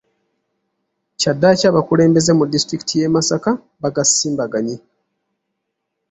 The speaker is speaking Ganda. Kyaddaaki abakulembeze mu disitulikiti y’e Masaka bagasimbaganye.